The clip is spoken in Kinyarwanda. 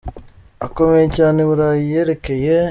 akomeye cyane i Burayi yerekeye.